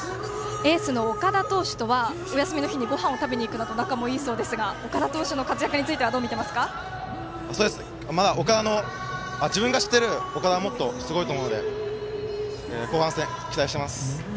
エースの岡田投手とはお休みの日にごはんを行くなど仲がよいそうですが岡田投手の活躍は自分が知っている岡田はもっとすごいと思うので後半戦、期待しています。